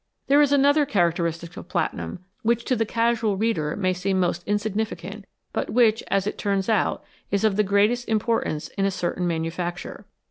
There is another characteristic of platinum which to the casual reader may seem most insignificant, but which, as it turns out, is of the greatest importance in a certain manufacture.